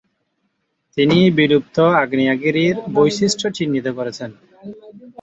তিনি বিলুপ্ত আগ্নেয়গিরির বৈশিষ্ট্য চিহ্নিত করেছেন।